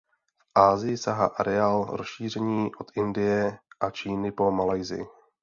V Asii sahá areál rozšíření od Indie a Číny po Malajsii.